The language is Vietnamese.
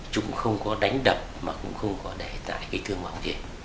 chúng không có đánh đập mà cũng không có để lại cái cương mộng thiệt